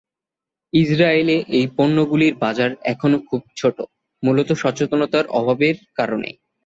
ইসরাইলে এই পণ্যগুলির বাজার এখনও খুব ছোট, মূলত সচেতনতার অভাবের কারণে।